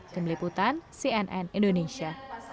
kemeliputan cnn indonesia